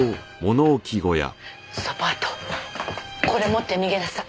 ソパートこれ持って逃げなさい。